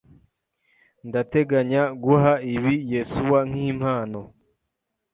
Ndateganya guha ibi Yesuwa nkimpano.